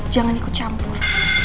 jangan ikut campur